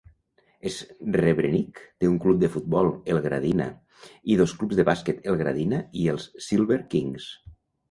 Srebrenik té un club de futbol, el Gradina, i dos clubs de bàsquet, el Gradina i els Silver Kings.